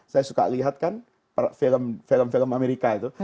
saya suka lihat kan film film amerika itu